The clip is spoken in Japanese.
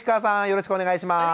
よろしくお願いします。